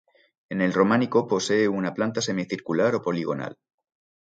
En el Románico posee una planta semicircular o poligonal.